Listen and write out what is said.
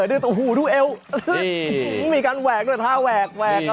ด้วยโอ้โหดูเอวมีการแหวกด้วยท่าแหวกแหวกอ่ะ